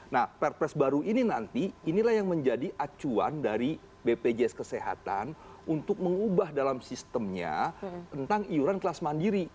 nah perpres baru ini nanti inilah yang menjadi acuan dari bpjs kesehatan untuk mengubah dalam sistemnya tentang iuran kelas mandiri